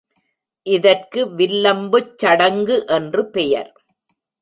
இதற்கு வில்லம்புச் சடங்கு என்று பெயர்.